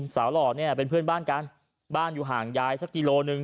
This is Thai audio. หล่อเนี่ยเป็นเพื่อนบ้านกันบ้านอยู่ห่างยายสักกิโลหนึ่ง